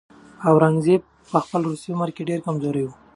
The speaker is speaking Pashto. اورنګزېب په خپل وروستي عمر کې ډېر کمزوری و.